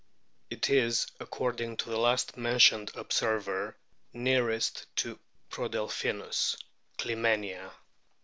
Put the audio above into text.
It is, according to the last mentioned observer, nearest to Prodelpkinus (Clymenia}.